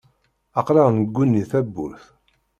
Aql-aɣ negguni tawwurt.